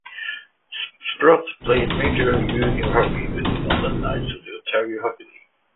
Sprott played major junior hockey with the London Knights of the Ontario Hockey League.